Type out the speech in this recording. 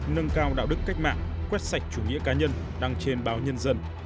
nâng cao đạo đức cách mạng quét sạch chủ nghĩa cá nhân đăng trên báo nhân dân